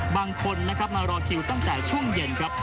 บางคนนะครับมารอคิวตั้งแต่ช่วงเย็นครับ